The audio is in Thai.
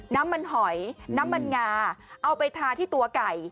น้ำมันหอยน้ำมันงาเอาไปทาที่ตัวไก่